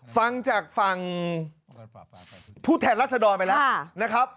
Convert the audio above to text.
ฟังจากฝั่งผู้แทนรัศดรไปแล้วนะครับ